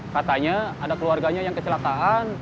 katanya ada keluarganya yang kecelakaan